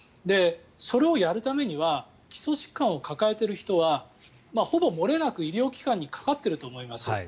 それをやるためには基礎疾患を抱えている人はほぼ漏れなく医療機関にかかっていると思います。